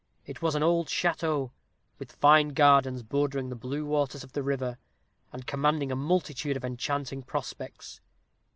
It was an old château, with fine gardens bordering the blue waters of the river, and commanding a multitude of enchanting prospects.